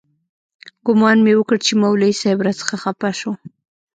ګومان مې وکړ چې مولوي صاحب راڅخه خپه سو.